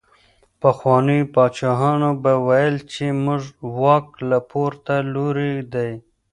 پخوانيو پادشاهانو به ويل چي زموږ واک له پورته لوري دی.